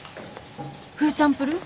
フーチャンプルー？